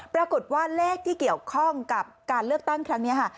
ปรากฏว่าเลขที่เกี่ยวข้องกับการเลือกตั้งครั้งนี้ค่ะ